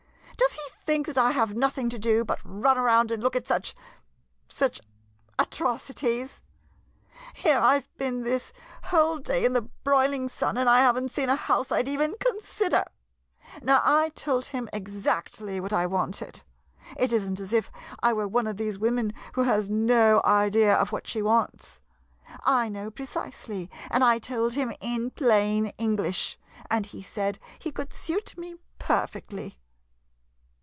Does he think that I have nothing to do but run around and look at such — such atroci ties ? Here, I Ve been this whole day in the broiling sun, and I have n't seen a house I 'd even consider ! Now, I told him exactly what I wanted. It is n't as if I were one of those women who has no idea of what she wants. I know precisely, and I told him in plain English, and he said he could suit me perfectly.